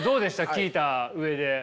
聞いた上で。